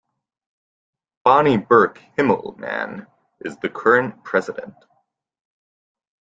Bonnie Burke Himmelman is the current president.